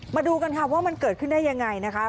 มาดูกันค่ะว่ามันเกิดขึ้นได้ยังไงนะคะ